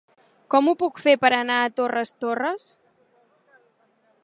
Com ho puc fer per anar a Torres Torres?